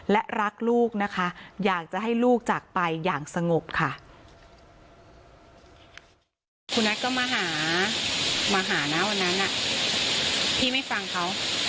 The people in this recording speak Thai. และรักลูกนะคะอยากจะให้ลูกจากไปอย่างสงบค่ะ